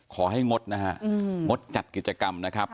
งดนะฮะงดจัดกิจกรรมนะครับ